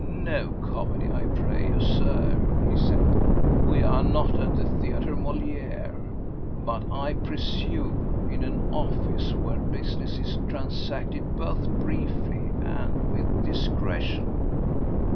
"No comedy, I pray you, Sir," he said. "We are not at the Theatre Molière, but, I presume, in an office where business is transacted both briefly and with discretion."